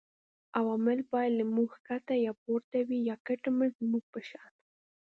عوامل باید له موږ ښکته یا پورته وي یا کټ مټ زموږ په شان